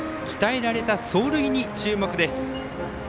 鍛えられた走塁に注目です。